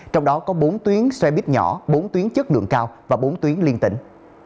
trong đó có bốn tuyến xe buýt nhỏ bốn tuyến chất lượng cao và bốn tuyến liên tỉnh